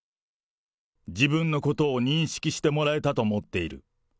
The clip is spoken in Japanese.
自分のことを認識してもらえたと思っている。